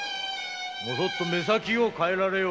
もそっと目先を変えられよ〕